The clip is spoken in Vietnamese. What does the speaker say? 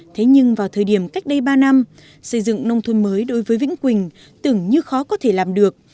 thế nhưng vào thời điểm cách đây ba năm xây dựng nông thôn mới đối với vĩnh quỳnh tưởng như khó có thể làm được